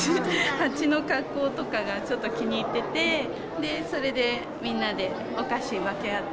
蜂の格好とかが、ちょっと気に入ってて、それでみんなでお菓子分け合って。